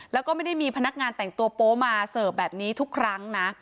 แล้วก็ไม่ได้มีพนักงานแต่งตัวโป๊มาเสิร์ฟแบบนี้ทุกครั้งนะ